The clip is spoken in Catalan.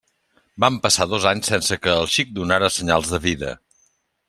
Van passar dos anys sense que el xic donara senyals de vida.